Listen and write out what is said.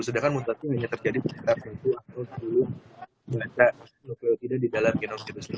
sedangkan mutasinya hanya terjadi setelah waktu atau dulu melacak nopelotina di dalam genom virus itu